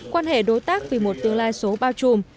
quan hệ đối tác vì một tương lai số bao trùm